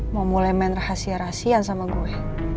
mau mulai main rahasia rahasiaan sama gue